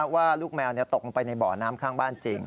ว่าลูกแมวตกลงไปในบ่อน้ำข้างบ้านจริง